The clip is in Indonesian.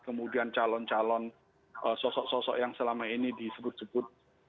kemudian calon calon sosok sosok yang selama ini disebut sebut